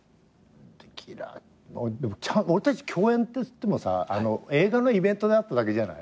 でも俺たち共演っていってもさ映画のイベントで会っただけじゃない？